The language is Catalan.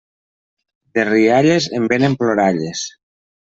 De rialles en vénen ploralles.